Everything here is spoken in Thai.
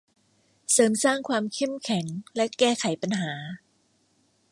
เสริมสร้างความเข้มแข็งและแก้ไขปัญหา